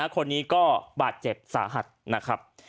คนนี้ก็บาดเจ็บสาหัสนะครับ